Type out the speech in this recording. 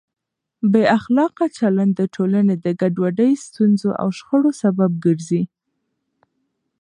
بې اخلاقه چلند د ټولنې د ګډوډۍ، ستونزو او شخړو سبب ګرځي.